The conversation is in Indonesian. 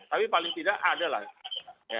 tapi paling tidak ada lagi